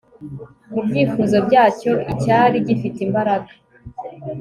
Mubyifuzo byayo icyari gifite imbaraga